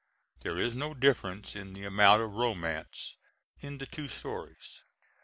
There is no difference in the amount of romance in the two stories.